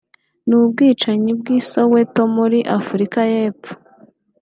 n’ubwicanyi by’i Soweto muri Afurika y’epfo